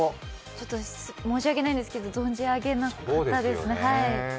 申し訳ないんですけど、存じ上げなかったです。